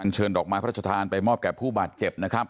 ชื่อดอกไม้พระชทานไปมอบแก่ผู้บาดเจ็บ